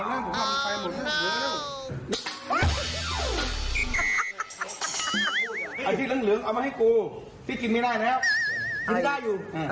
มะละกอมมันแพงต้องสีไลก์ต้องจะปลูก